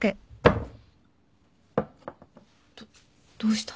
どっどうしたの？